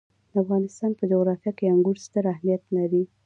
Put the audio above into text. د افغانستان په جغرافیه کې انګور ستر اهمیت لري.